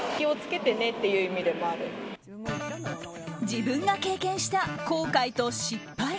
自分が経験した後悔と失敗。